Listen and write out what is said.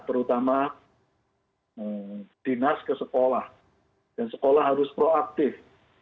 terutama dinas ke sekolah dan sekolah harus proaktif